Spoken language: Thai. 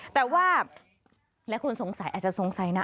แต่ว่าหลายคนสงสัยอาจจะสงสัยนะ